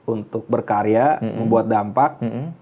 untuk berkarya membuat dampak